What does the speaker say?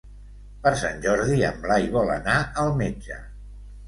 Per Sant Jordi en Blai vol anar al metge.